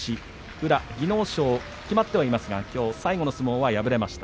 宇良、技能賞は決まってはいますがきょう最後の相撲は敗れました。